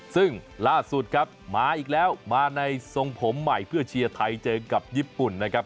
ซึ่งล่าสุดครับมาอีกแล้วมาในทรงผมใหม่เพื่อเชียร์ไทยเจอกับญี่ปุ่นนะครับ